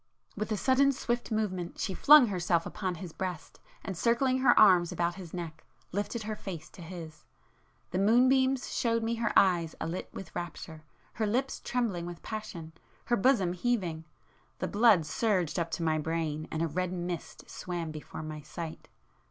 With a sudden swift movement, she flung herself upon his breast, and circling her arms about his neck, lifted her face to his. The moonbeams showed me her eyes alit with rapture, her lips trembling with passion, her bosom heaving, ... the blood surged up to my brain, and a red mist swam before my sight